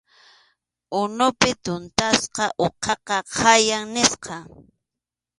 Unupi tuntasqa uqaqa khaya nisqam.